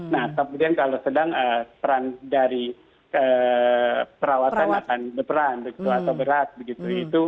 nah kemudian kalau sedang peran dari perawatan akan berperan begitu atau berat begitu